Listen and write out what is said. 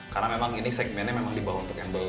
karena memang ini segmennya memang dibawa untuk embl